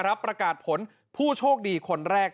ประกาศผลผู้โชคดีคนแรก